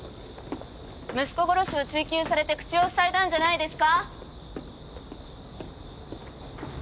息子殺しを追及されて口を塞いだんじゃないですか？